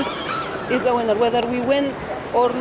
siapa yang menang adalah pemenang